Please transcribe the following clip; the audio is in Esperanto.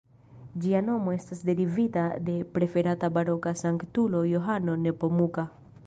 Ĝia nomo estas derivita de preferata baroka sanktulo Johano Nepomuka.